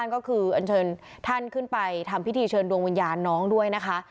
ก็คืออันเชิญท่านขึ้นไปทำพิธีเชิญดวงวิญญาณน้องด้วยนะคะ